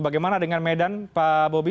bagaimana dengan medan pak bobi